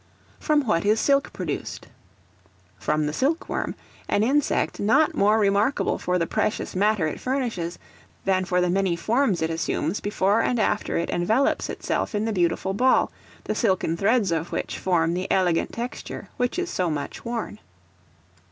From what is Silk produced? From the silk worm, an insect not more remarkable for the precious matter it furnishes, than for the many forms it assumes before and after it envelopes itself in the beautiful ball, the silken threads of which form the elegant texture which is so much worn.